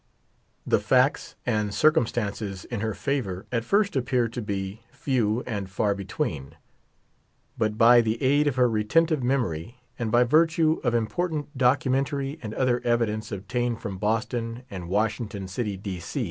The facts and circumstances in her favor at first appeared to be " few and far between ;" but by the aid of her retentive memorj' and bj' virtue of im portant documentary and other evidence obtained from Boston and Washington City, D.